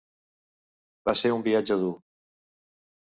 Va ser un viatge dur.